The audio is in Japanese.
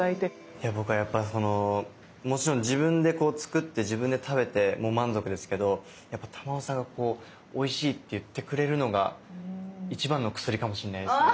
いや僕はやっぱりそのもちろん自分で作って自分で食べても満足ですけどやっぱ珠緒さんがおいしいって言ってくれるのが一番の薬かもしれないですね。